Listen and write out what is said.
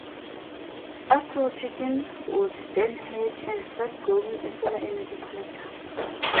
Astrochicken would then hatch and start growing a solar-energy collector.